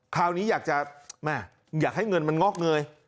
คราวนี้อยากจะแม่อยากให้เงินมันงอกเงย